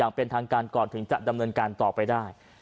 เป็นทางการก่อนถึงจะดำเนินการต่อไปได้